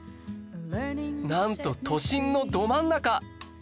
なんと都心のど真ん中！